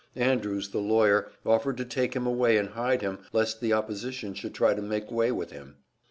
Andrews, the lawyer, offered to take him away and hide him, lest the opposition should try to make way with him.